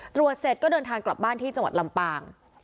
ตรวจเสร็จก็เดินทางกลับบ้านที่จังหวัดลำปาง